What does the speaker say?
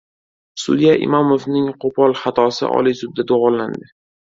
Sudya Imomovning qo‘pol xatosi Oliy sudda to‘g‘rilandi